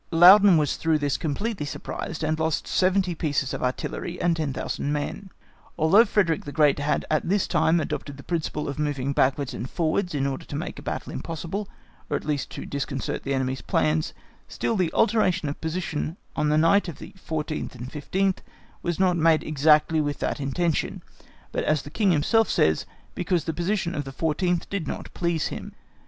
Laudon was through this completely surprised, and lost 70 pieces of artillery and 10,000 men. Although Frederick the Great had at this time adopted the principle of moving backwards and forwards in order to make a battle impossible, or at least to disconcert the enemy's plans, still the alteration of position on the night of the 14 15 was not made exactly with that intention, but as the King himself says, because the position of the 14th did not please him.